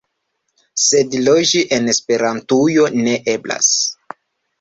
Sed loĝi en Esperantujo ne eblas.